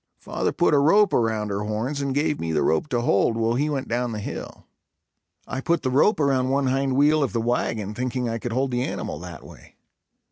Father put a rope around her horns and gave me the rope to hold, while he went down the hill. I put the rope around one hind wheel of the wagon thinking I could hold the animal that way.